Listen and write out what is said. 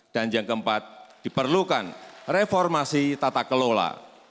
dan yang keempat diperlukan reformasi tata kelola